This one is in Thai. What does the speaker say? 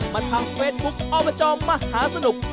มาทางเฟซบุ๊คอบจมหาสนุก